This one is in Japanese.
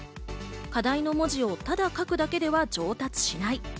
課題の文字をただ書くだけでは上達しない。